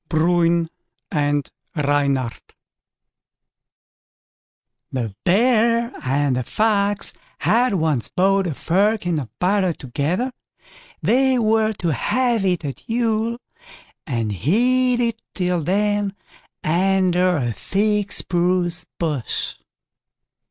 BRUIN AND REYNARD The Bear and the Fox had once bought a firkin of butter together; they were to have it at Yule and hid it till then under a thick spruce bush.